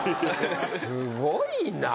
すごいなあ。